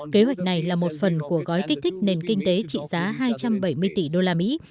kế hoạch này là một phần của gói kích thích nền kinh tế trị giá hai trăm bảy mươi tỷ usd